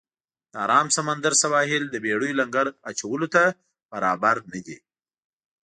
د آرام سمندر سواحل د بېړیو لنګر اچولو ته برابر نه دی.